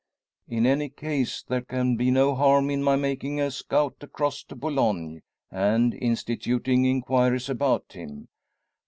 "In any case there can be no harm in my making a scout across to Boulogne, and instituting inquiries about him.